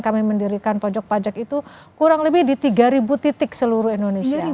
kami mendirikan pojok pajak itu kurang lebih di tiga titik seluruh indonesia